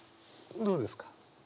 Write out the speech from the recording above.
どうですか？